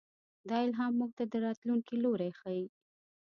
دا الهام موږ ته د راتلونکي لوری ښيي.